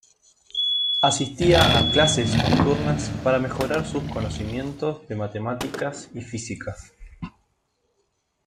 Asistía a clases nocturnas para mejorar sus conocimientos de matemáticas y física.